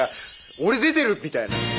俺出てる！みたいな。